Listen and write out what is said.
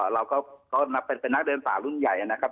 เราก็นับเป็นนักเดินป่ารุ่นใหญ่นะครับ